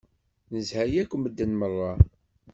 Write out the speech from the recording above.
Nezha yakk medden merra